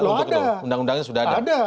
lho ada undang undangnya sudah ada ada